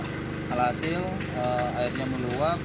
hal hasil airnya meluap